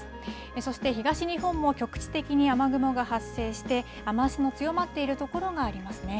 そして東日本も局地的に雨雲が発生して、雨足の強まっている所がありますね。